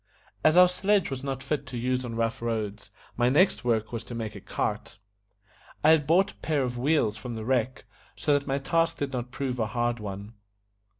As our sledge was not fit to use on rough roads, my next work was to make a cart. I had brought a pair of wheels from the wreck, so that my task did not prove a hard one.